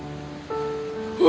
hutannya telah menghilang